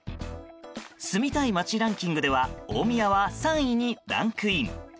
住みたい街ランキングでは大宮は３位にランクイン。